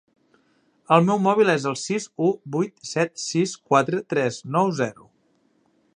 El meu mòbil és el sis u vuit set sis quatre tres nou zero.